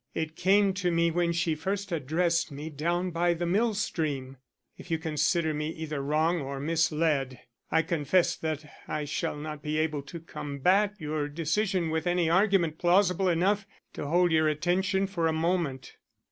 It came to me when she first addressed me down by the mill stream. If you consider me either wrong or misled, I confess that I shall not be able to combat your decision with any argument plausible enough to hold your attention for a moment."